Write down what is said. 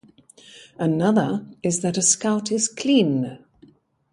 Another is that a Scout is "clean".